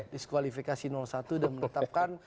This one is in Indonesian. diskualifikasi satu dan menetapkan